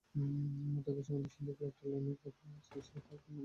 টাকা সম্বন্ধে সন্দীপের একটা লোলুপতা আছে সে কথা বিমল এর পূর্বে আমাকে অনেকবার বলেছে।